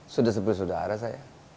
sudah sebelah saudara saya